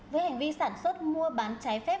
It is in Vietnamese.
với hành vi sản xuất mua bán trái phép